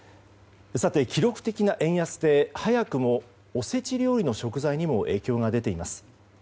さて、記録的な円安で早くも、おせち料理の食材にも影響が出ています。